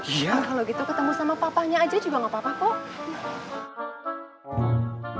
iya kalau gitu ketemu sama papanya aja juga gak apa apa kok